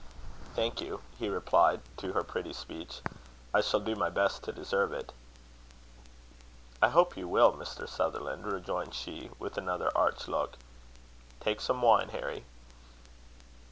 "Thank you," he replied to her pretty speech. "I shall do my best to deserve it." "I hope you will, Mr. Sutherland," rejoined she, with another arch look. "Take some wine, Harry."